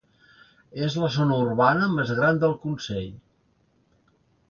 És la zona urbana més gran del Consell.